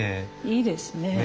いいですね。